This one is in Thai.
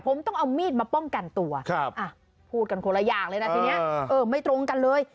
ผมต้องเอามีดมาป้องกันตัวพูดกันคนละอย่างเลยนะทีนี้ไม่ตรงกันเลย